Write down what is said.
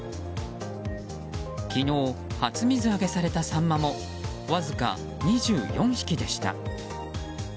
昨日、初水揚げされたサンマもわずか２４匹でした。